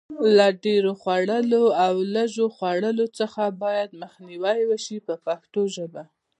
له ډېر خوړلو او لږ خوړلو څخه باید مخنیوی وشي په پښتو ژبه.